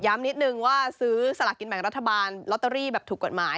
นิดนึงว่าซื้อสลากกินแบ่งรัฐบาลลอตเตอรี่แบบถูกกฎหมาย